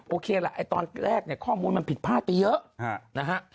โอเคล่ะตอนแรกเนี่ยข้อมูลมันผิดพลาดไปเยอะนะฮะ